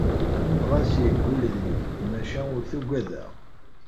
Ɣas yeggul deg-i, maca ur t-ugadeɣ.